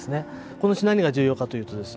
この石何が重要かというとですね